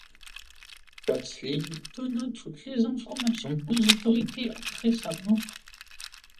Kathleen donna toutes les informations aux autorités après sa mort.